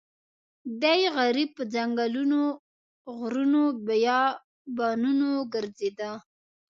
دی غریب په ځنګلونو غرونو بیابانونو ګرځېده.